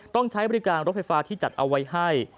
ต้องใช้บริการรถไฟฟ้าที่จัดเอาไว้ให้